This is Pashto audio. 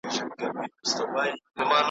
ماته راوړه په ګېډیو کي رنګونه .